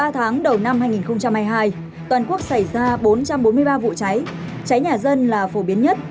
ba tháng đầu năm hai nghìn hai mươi hai toàn quốc xảy ra bốn trăm bốn mươi ba vụ cháy cháy nhà dân là phổ biến nhất